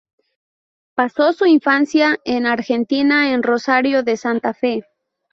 Pasó su infancia en Argentina en Rosario de Santa Fe.